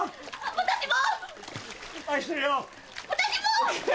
私も！